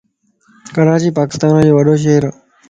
ڪراچي پاڪستانءَ جو وڏو شھر ا